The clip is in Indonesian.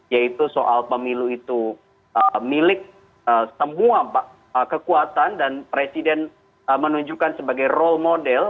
yaitu soal pemilu itu milik semua kekuatan dan presiden menunjukkan sebagai role model